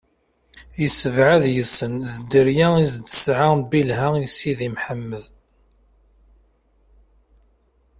I sebɛa yid-sen, d dderya i s-d-tesɛa Bilha i Si Mḥemmed.